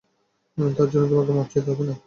তার জন্য তোমাকে মাফ চাইতে হবে না, মেস।